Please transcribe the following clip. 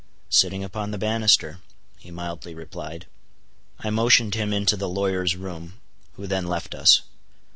"Sitting upon the banister," he mildly replied. I motioned him into the lawyer's room, who then left us.